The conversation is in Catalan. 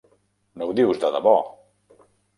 No ho dius de debò!